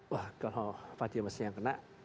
wah kalau pak james yang kena